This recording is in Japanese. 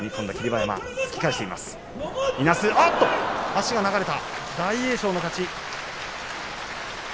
足が流れた、大栄翔の勝ち。